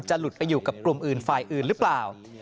หลุดไปอยู่กับกลุ่มอื่นฝ่ายอื่นหรือเปล่า